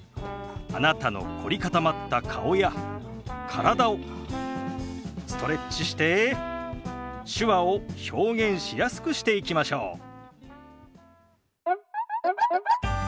あなたの凝り固まった顔や体をストレッチして手話を表現しやすくしていきましょう。